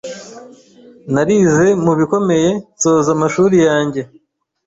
narize mu bikomeye nsoza amashuri yanjye.